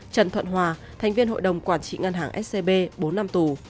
trần thuận hòa thành viên hội đồng quản trị ngân hàng scb bốn năm tù